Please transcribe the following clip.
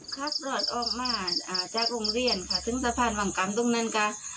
ครับรอดออกมาจากโรงเรียนค่ะถึงสะพานวังกรรมตรงนั้นก็